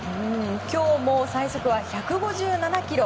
今日も最速は１５７キロ。